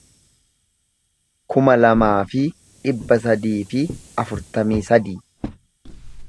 kuma lamaa fi dhibba sadii fi afurtamii sadii